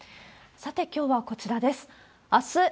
さて、きょうはこちらです。